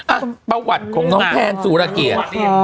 อ่ะประวัติของน้องแพนสุรเกียรติ